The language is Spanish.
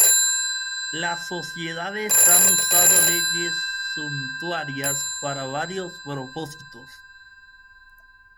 Las sociedades han usado leyes suntuarias para varios propósitos.